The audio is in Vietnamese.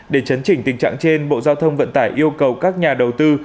để chấn chỉnh tình trạng trên bộ giao thông vận tải yêu cầu các nhà đầu tư